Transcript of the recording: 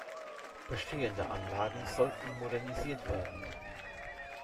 Bestehende Anlagen sollten modernisiert werden.